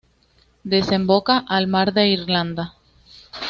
Desemboca al mar de Irlanda.